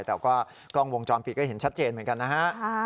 แต่ว่ากล้องวงจรปิดก็เห็นชัดเจนเหมือนกันนะฮะ